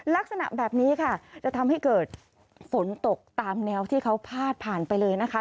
ลักษณะแบบนี้ค่ะจะทำให้เกิดฝนตกตามแนวที่เขาพาดผ่านไปเลยนะคะ